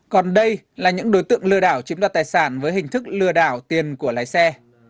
còn đây là những đối tượng lừa đảo chiếm đoạt tài sản với hình thức lừa đảo tiền của lái xe